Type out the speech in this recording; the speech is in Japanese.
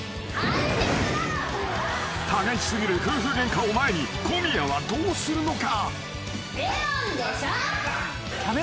［激し過ぎる夫婦ゲンカを前に小宮はどうするのか？］